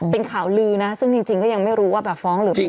เป็นข่าวลือนะซึ่งจริงก็ยังไม่รู้ว่าแบบฟ้องหรือเป็น